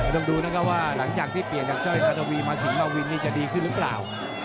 ต้องดูนะครับว่าหลังจากที่เปลี่ยนจากจ้อยนาธวีมาสิงหมาวินนี่จะดีขึ้นหรือเปล่า